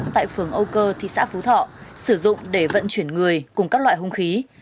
phường âu cơ thị xã phú thọ sử dụng để vận chuyển người cùng các loại hông khí